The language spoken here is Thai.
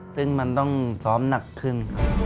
ซึ่งมันต้องซ้อมหนักขึ้น